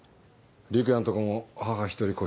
陸也のとこも母一人子